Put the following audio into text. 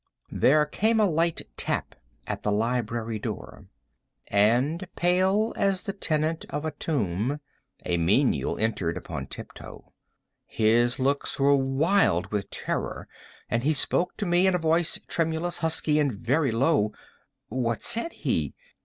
There came a light tap at the library door—and, pale as the tenant of a tomb, a menial entered upon tiptoe. His looks were wild with terror, and he spoke to me in a voice tremulous, husky, and very low. What said he?